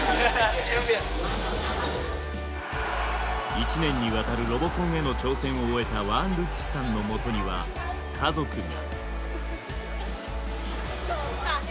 １年にわたるロボコンへの挑戦を終えたワーンルッチさんのもとには家族が。